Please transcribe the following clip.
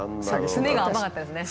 詰めが甘かったですね。